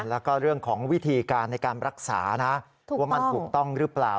แล้วก็เรื่องของวิธีการในการรักษานะว่ามันถูกต้องหรือเปล่า